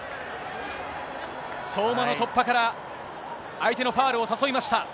相馬の突破から、相手のファウルを誘いました。